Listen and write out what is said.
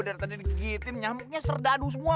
dari tadi digigitin nyampunya serdadu semua